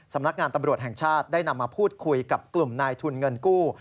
สำนักงานตำรวจแห่งชาติได้นำมาพูดคุยกับกลุ่มนายทุนเงินกู้